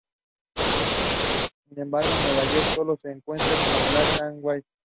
Sin embargo, en Nueva York solo se encuentran como "black and whites".